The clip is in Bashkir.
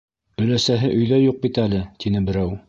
- Өләсәһе өйҙә юҡ бит әле, - тине берәү.